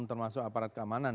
termasuk aparat keamanan